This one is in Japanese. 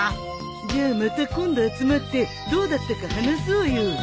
じゃあまた今度集まってどうだったか話そうよ。